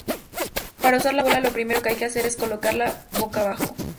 Para usar la bola lo primero que hay que hacer es colocarla boca abajo.